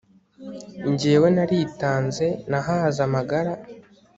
jyewe naritanze, nahaze amagara